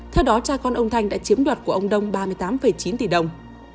theo đó cha con ông thanh đã chiếm đoạt của ông đông ba mươi tám chín tỷ đồng